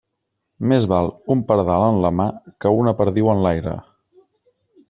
Més val un pardal en la mà que una perdiu en l'aire.